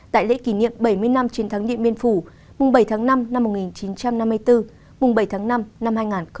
tại lễ kỷ niệm bảy mươi năm chiến thắng điện biên phủ mùng bảy tháng năm năm một nghìn chín trăm năm mươi bốn mùng bảy tháng năm năm hai nghìn hai mươi bốn